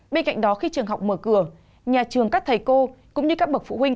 bên cạnh đó khi trường học mở cửa nhà trường các thầy cô cũng như các bậc phụ huynh